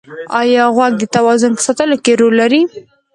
ایا غوږ د توازن په ساتلو کې رول لري؟